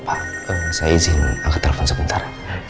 pak saya izin angkat telepon sebentar